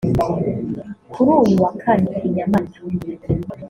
Kuri uyu wa Kane i Nyamata